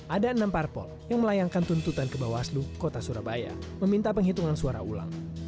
ada enam parpol yang melayangkan tuntutan kebawaslu kota surabaya meminta penghitungan suara ulang